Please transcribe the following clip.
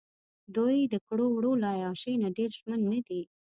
دوۍ دکړو وړو له عیاشۍ نه ډېر ژمن نه دي.